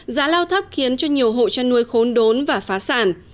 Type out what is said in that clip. giá lao thấp khiến cho nhiều hộ chăn nuôi khốn đốn và phá sản